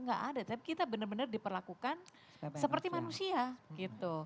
nggak ada tapi kita benar benar diperlakukan seperti manusia gitu